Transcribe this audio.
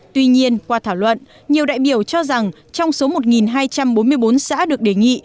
tuy nhiên qua thảo luận nhiều đại biểu cho rằng trong số một hai trăm bốn mươi bốn xã được đề nghị